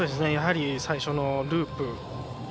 やはり最初の４回転ループ。